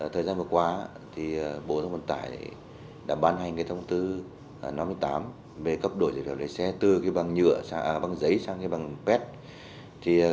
thời gian vừa qua bộ giao thông vận tải đã ban hành thông tư năm mươi tám về cấp đổi giấy phép lái xe từ bằng giấy sang bằng pet